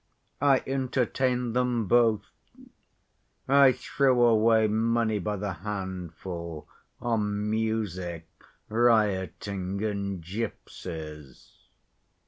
I entertained them both. I threw away money by the handful on music, rioting, and gypsies.